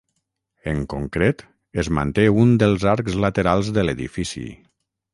En concret es manté un dels arcs laterals de l'edifici.